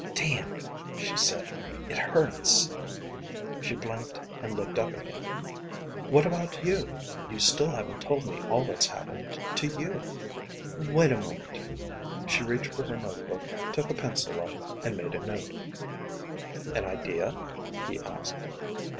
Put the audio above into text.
"Damn," she said. "It hurts." She blinked and looked up again. "What about you? You still haven't told me all that's happened to you. Wait a moment." She reached for her notebook, took a pencil up, and made a note. "An idea?" he asked.